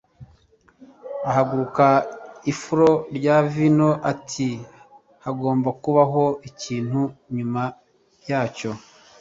ahanagura ifuro rya vino ati hagomba kubaho ikintu inyuma yacyo